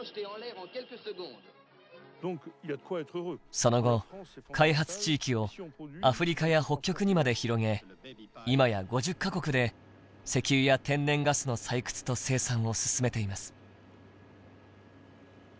その後開発地域をアフリカや北極にまで広げ今や５０か国で石油や天然ガスの採掘と生産を進めています。